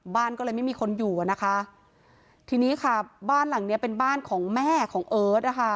บ้านก็เลยไม่มีคนอยู่อ่ะนะคะทีนี้ค่ะบ้านหลังเนี้ยเป็นบ้านของแม่ของเอิร์ทนะคะ